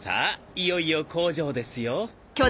いよいよ工場ですよ。